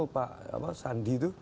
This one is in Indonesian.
pak sandi itu